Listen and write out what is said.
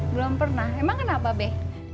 belum pernah emang kenapa beh